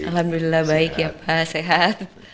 alhamdulillah baik ya pak sehat